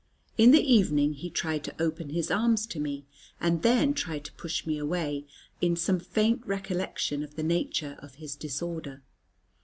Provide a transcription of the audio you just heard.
In the evening he tried to open his arms to me, and then tried to push me away, in some faint recollection of the nature of his disorder.